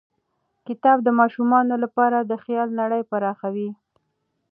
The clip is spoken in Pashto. کتاب د ماشومانو لپاره د خیال نړۍ پراخوي.